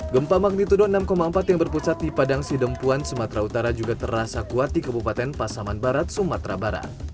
gempa magnitudo enam empat yang berpusat di padang sidempuan sumatera utara juga terasa kuat di kabupaten pasaman barat sumatera barat